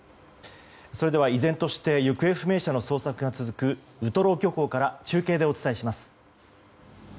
それでは、依然として行方不明者の捜索が続くウトロ漁港から中継でお伝えします。